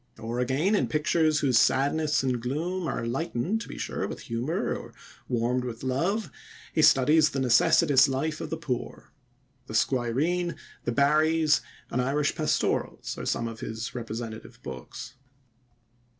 Or, again, in pictures whose sadness and gloom are lightened, to be sure, with humor or warmed with love, he studies the necessitous life of the poor. The Squireen, The Barrys, and Irish Pastorals are some of his representative books.